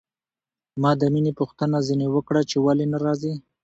ما د مينې پوښتنه ځنې وکړه چې ولې نه راځي.